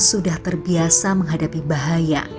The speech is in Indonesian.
sudah terbiasa menghadapi bahaya